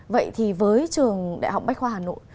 vậy thì với trường đại học bách khoa hà nội